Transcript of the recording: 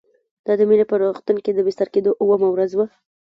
دا د مينې په روغتون کې د بستر کېدو اوومه ورځ وه